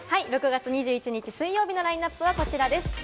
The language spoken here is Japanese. ６月２１日水曜日のラインナップはこちらです。